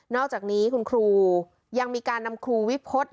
อกจากนี้คุณครูยังมีการนำครูวิพฤษ